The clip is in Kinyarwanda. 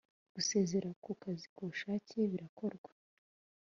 Gusezera ku kazi ku bushake birakorwa